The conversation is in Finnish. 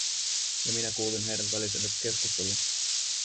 Ja minä kuulin heidän välisensä keskustelun.